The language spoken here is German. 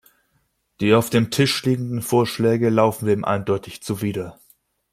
Die auf dem Tisch liegende Vorschläge laufen dem eindeutig zuwider.